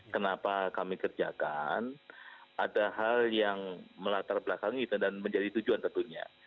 kenapa kami kerjakan ada hal yang melatar belakang itu dan menjadi tujuan tentunya